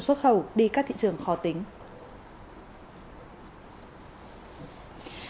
xuất khẩu đi các thị trường khó tính